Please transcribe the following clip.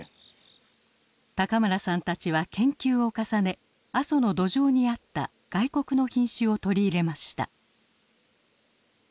村さんたちは研究を重ね阿蘇の土壌に合った外国の品種を取り入れました。